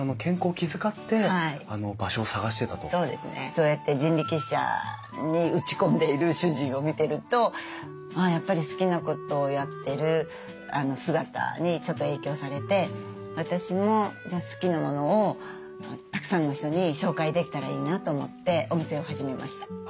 そうやって人力車に打ち込んでいる主人を見てるとまあやっぱり好きなことをやってる姿にちょっと影響されて私もじゃあ好きなものをたくさんの人に紹介できたらいいなと思ってお店を始めました。